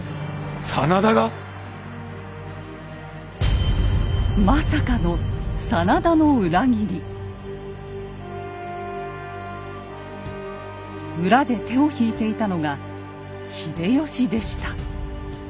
真田が⁉まさかの裏で手を引いていたのが秀吉でした。